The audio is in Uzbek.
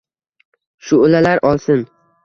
Shu’lalar olsin